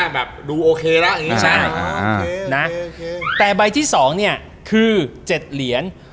แบบดูโอเคละอย่างงี้ใช่อ่านะแต่ใบที่สองเนี่ยคือเจ็ดเหรียญ